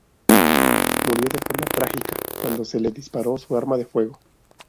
Murió de forma trágica cuando se le disparó su arma de fuego.